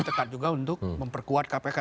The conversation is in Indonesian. tetap juga untuk memperkuat kpk